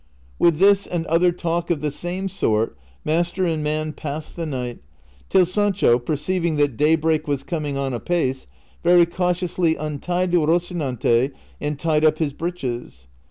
With this and other talk of the same sort master and man passed the night, till Sancho, perceiving that daybreak was coming on apace, very cautiously untied liocinante and tied up his breeches.